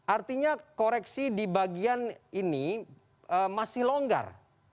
artinya koreksi di bagian ini masih longgar